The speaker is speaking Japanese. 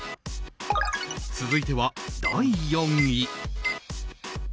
続いては第４位。